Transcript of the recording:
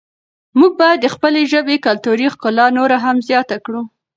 موږ باید د خپلې ژبې کلتوري ښکلا نوره هم زیاته کړو.